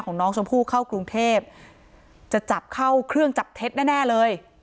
น้องชมพู่เข้ากรุงเทพจะจับเข้าเครื่องจับเท็จแน่แน่เลย